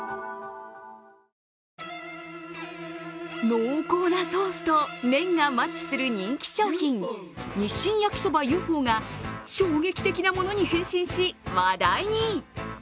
濃厚なソースと麺がマッチする人気商品、日清焼そばＵ．Ｆ．Ｏ．が衝撃的なものに変身し話題に。